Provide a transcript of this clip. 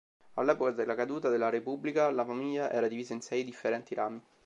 All'epoca della caduta della Repubblica, la famiglia era divisa in sei differenti rami.